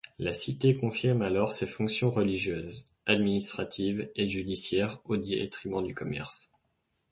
La cité confirme alors ses fonctions religieuses, administratives et judiciaires au détriment du commerce.